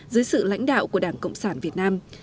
dưới sự lãnh đạo của đảng cộng sản việt nam